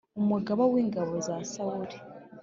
umugaba w’ingabo za Sawuli